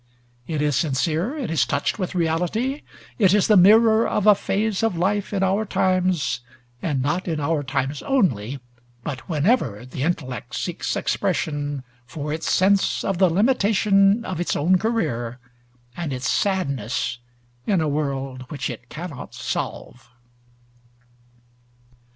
It is sincere, it is touched with reality; it is the mirror of a phase of life in our times, and not in our times only, but whenever the intellect seeks expression for its sense of the limitation of its own career, and its sadness in a world which it cannot solve.